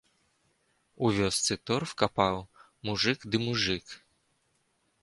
У вёсцы торф капаў, мужык ды мужык.